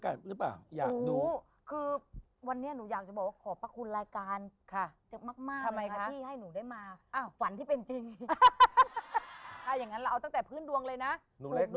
คือจริงแล้วเจอกันจริงเลยแต่ครั้งเดียวคือหนูสวัสดีแล้วหนูก็